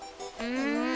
うん。